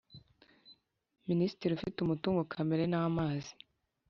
minisitiri ufite umutungo kamere n’ amazi